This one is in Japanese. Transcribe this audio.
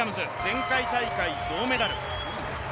前回大会銅メダル。